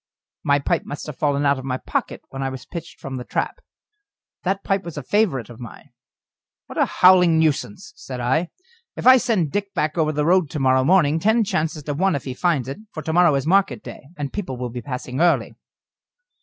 My pipe must have fallen out of my pocket when I was pitched from the trap. That pipe was a favourite of mine. "What a howling nuisance," said I. "If I send Dick back over the road to morrow morning, ten chances to one if he finds it, for to morrow is market day, and people will be passing early."